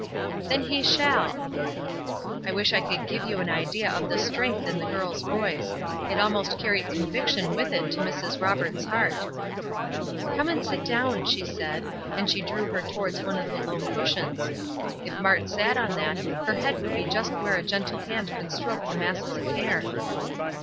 "Then he shall!" I wish I could give you an idea of the strength in the girl's voice. It almost carried conviction with it to Mrs. Roberts' heart. "Come and sit down," she said, and she drew her towards one of the low cushions. If Mart sat on that, her head would be just where a gentle hand could stroke the masses of hair.